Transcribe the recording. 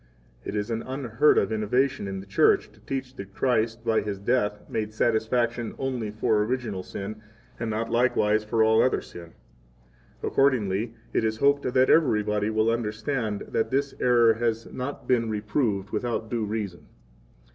[It is an unheard of innovation in the Church to teach that Christ by His death made satisfaction only for original sin and not likewise for all other sin. Accordingly it is hoped that everybody will understand that this error has not been reproved without due reason.